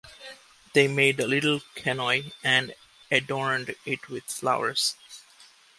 They made a little canoe and adorned it with flowers.